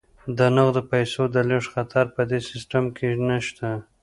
د نغدو پيسو د لیږد خطر په دې سیستم کې نشته.